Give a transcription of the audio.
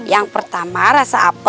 yang pertama rasa apel